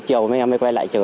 chiều em mới quay lại chờ